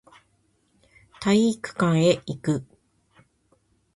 体育館へ行く